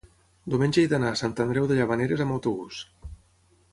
diumenge he d'anar a Sant Andreu de Llavaneres amb autobús.